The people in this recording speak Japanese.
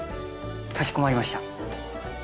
かしこまりました。